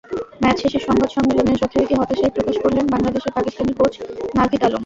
Match শেষের সংবাদ সম্মেলনে যথারীতি হতাশাই প্রকাশ করলেন বাংলাদেশের পাকিস্তানী কোচ নাভিদ আলম।